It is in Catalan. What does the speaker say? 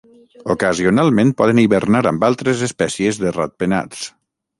Ocasionalment poden hibernar amb altres espècies de ratpenats.